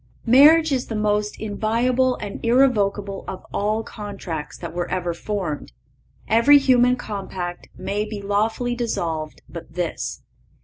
Marriage is the most inviolable and irrevocable of all contracts that were ever formed. Every human compact may be lawfully dissolved but this.